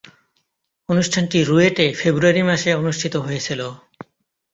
অনুষ্ঠানটি রুয়েটে ফেব্রুয়ারি মাসে অনুষ্ঠিত হয়েছিলো।